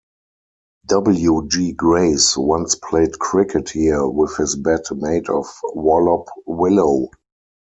W. G. Grace once played cricket here, with his bat made of Wallop willow.